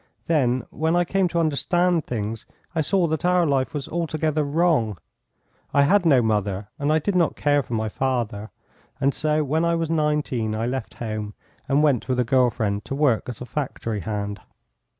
"Then when I came to understand things I saw that our life was altogether wrong; I had no mother and I did not care for my father, and so when I was nineteen I left home, and went with a girl friend to work as a factory hand."